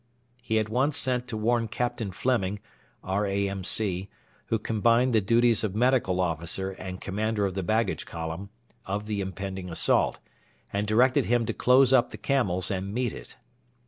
He at once sent to warn Captain Fleming, R.A.M.C., who combined the duties of medical officer and commander of the baggage column, of the impending assault, and directed him to close up the camels and meet it.